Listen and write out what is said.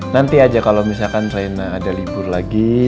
nanti aja kalau misalkan traina ada libur lagi